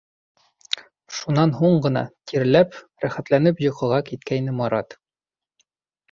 Шунан һуң ғына, тирләп, рәхәтләнеп йоҡоға киткәйне Марат.